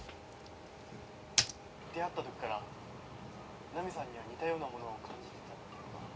「出会った時からナミさんには似たようなものを感じてたっていうか」